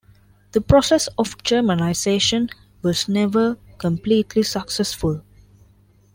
The process of Germanisation was never completely successful.